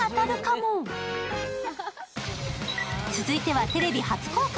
続いてはテレビ初公開。